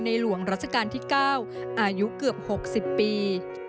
หลวงรัชกาลที่๙อายุเกือบ๖๐ปี